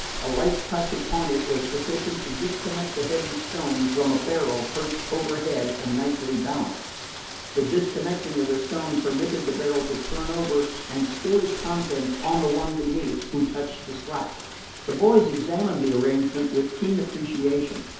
A light touch upon it was sufficient to disconnect a heavy stone from a barrel perched overhead and nicely balanced. The disconnecting of the stone permitted the barrel to turn over and spill its contents on the one beneath who touched the slat. The boys examined the arrangement with keen appreciation.